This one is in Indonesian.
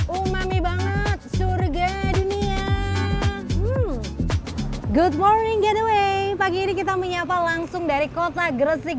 umami banget surga dunia good morning getaway pagi ini kita menyapa langsung dari kota gresik